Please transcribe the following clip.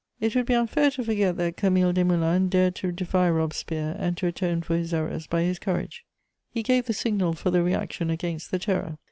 It would be unfair to forget that Camille Desmoulins dared to defy Robespierre and to atone for his errors by his courage. He gave the signal for the reaction against the Terror.